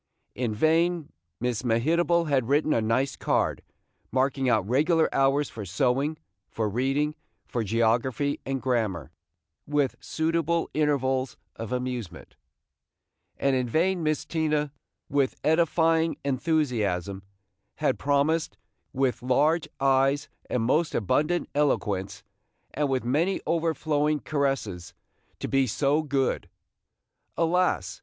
In vain Miss Mehitable had written a nice card, marking out regular hours for sewing, for reading, for geography and grammar, with suitable intervals of amusement; and in vain Miss Tina, with edifying enthusiasm, had promised, with large eyes and most abundant eloquence, and with many overflowing caresses, to be "so good." Alas!